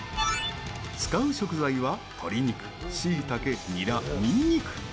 使う食材は、鶏肉、しいたけニラ、にんにく。